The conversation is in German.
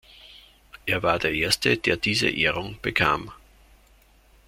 Er war der erste, der diese Ehrung bekam.